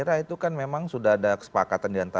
saya kira itu kan memang sudah ada kesepakatan diantara